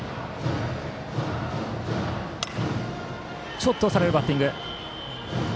ちょっと押されるバッティング。